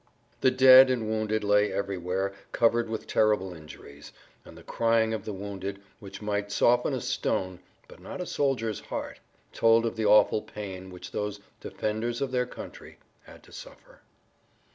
The dead and wounded lay everywhere covered with terrible injuries, and the crying of the wounded, which might soften a stone, but not a soldier's heart, told of the awful pain which those "defenders of their country" had to suffer.